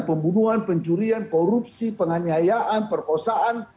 pembunuhan pencurian korupsi penganiayaan perkosaan